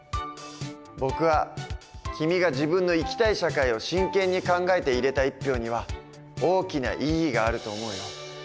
僕は君が自分の生きたい社会を真剣に考えて入れた１票には大きな意義があると思うよ。